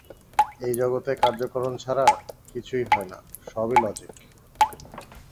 এই জগতে কার্যকারণ ছাড়া কিছুই হয় না, সবই লজিক।